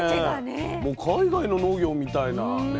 もう海外の農業みたいなね。